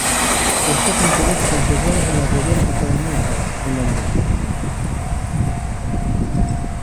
Esta pintura se conserva en la Royal Academy of Arts, en Londres.